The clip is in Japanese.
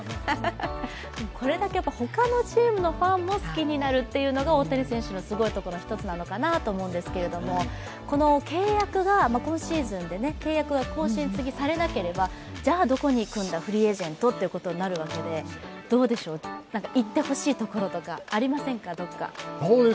これだけ、他のチームのファンも好きになるというのが大谷選手のすごいところだと思いますが契約が今シーズンで更新されなければじゃあどこに行くんだ、フリーエージェントということで行ってほしいところとか、ありませんか？